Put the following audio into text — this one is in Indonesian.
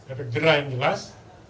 efek jerah yang jelas